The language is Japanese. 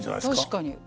確かに。